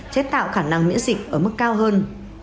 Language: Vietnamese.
chế tạo khả năng miễn dịch ở mức cao hơn